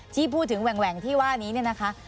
ที่พูดถึงแว่งที่ว่านี้ก็นะคะ